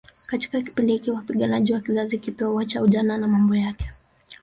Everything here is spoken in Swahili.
Katika kipindi hiki wapiganaji wa kizazi kipya huuacha ujana na mambo yake